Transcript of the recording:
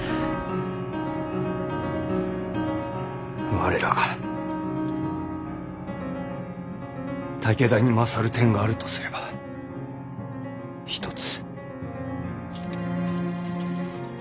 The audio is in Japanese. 我らが武田に勝る点があるとすれば一つ。